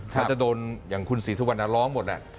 ถ้าจะโดนอย่างคุณศรีสุวรรณร้องหมด